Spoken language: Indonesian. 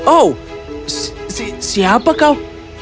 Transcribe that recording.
oh siapa kau